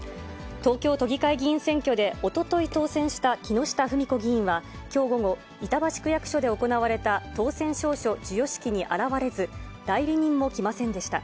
東京都議会議員選挙でおととい当選した木下富美子議員はきょう午後、板橋区役所で行われた当選証書授与式に現れず、代理人も来ませんでした。